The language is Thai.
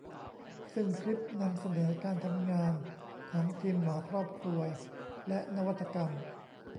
ซึ่งคลิปนำเสนอการทำงานของทีมหมอครอบครัวและนวัตกรรม